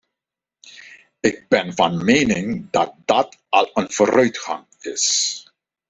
Ik ben van mening dat dat al een vooruitgang is.